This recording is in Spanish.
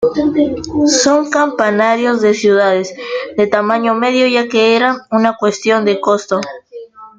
Son campanarios de ciudades de tamaño medio, ya que era una cuestión de costo.